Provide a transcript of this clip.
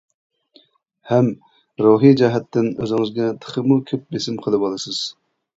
ھەم روھى جەھەتتىن ئۆزىڭىزگە تېخىمۇ كۆپ بېسىم قىلىۋالىسىز.